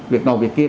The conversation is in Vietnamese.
việc nào việc kia